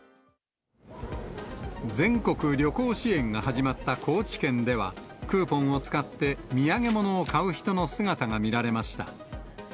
全国旅行支援が始まった高知県では、クーポンを使って、土産物を買う人の姿が見られました。